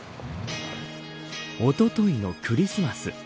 おとといのクリスマス。